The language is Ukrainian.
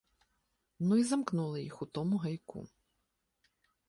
Ну й замкнули їх у тому гайку.